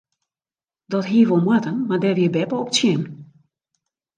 Dat hie wol moatten mar dêr wie beppe op tsjin.